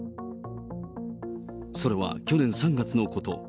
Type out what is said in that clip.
それは去年３月のこと。